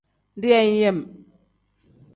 Deyeeyem.